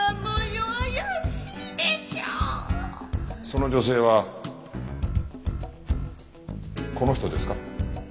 その女性はこの人ですか？